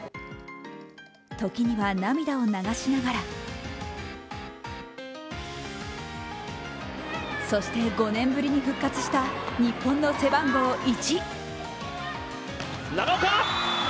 時には涙を流しながらそして５年ぶりに復活した日本の背番号１。